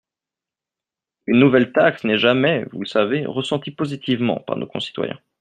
Une nouvelle taxe n’est jamais, vous le savez, ressentie positivement par nos concitoyens.